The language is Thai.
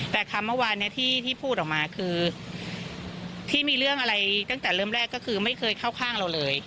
แต่คำเมื่อวานนี้ที่พูดออกมาคือที่มีเรื่องอะไรตั้งแต่เริ่มแรกก็คือไม่เคยเข้าข้างเราเลย